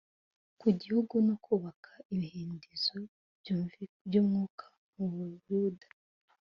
ku gihugu no kubaka ibihindizo byibyumwuka mu Buyuda